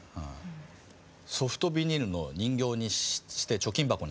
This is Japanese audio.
ソフトビニールの人形にして貯金箱にしたい感じ。